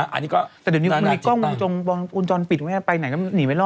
แต่เดี๋ยวนี้มีกล้องอุณจรปิดไว้ไปไหนก็หนีไม่รอด